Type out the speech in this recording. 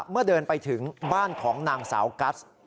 เมื่อเดินไปถึงบ้านของนางสาวกัส